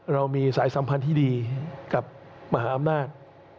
เรามีสายสัมพันธ์ที่ดีกับมหาอำนาจ